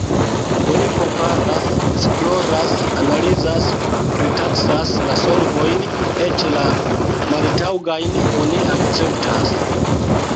Oni komparas, esploras, analizas, pritaksas la solvojn, eĉ la maltaŭgajn oni akceptas.